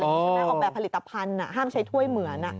ใช่ไหมออกแบบผลิตภัณฑ์ห้ามใช้ถ้วยเหมือน